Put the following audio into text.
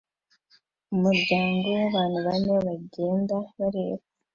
Umuryango wabantu bane bagenda bareba